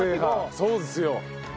そうですよ。